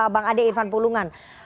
bang ade irfan pulungan